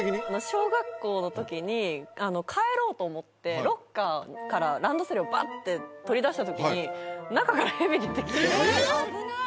小学校の時に帰ろうと思ってロッカーからランドセルをバッて取り出した時に中から蛇出てきて危ない！